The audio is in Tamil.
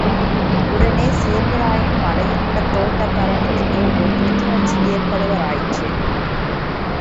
உடனே சேர்வராயன் மலையிலுள்ள தோட்டக்காரர்களுக்கு ஒரு புத்துணர்ச்சி ஏற்படலாயிற்று.